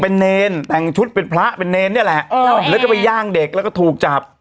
เป็นเนรแต่งชุดเป็นพระเป็นเนรเนี่ยแหละแล้วก็ไปย่างเด็กแล้วก็ถูกจับ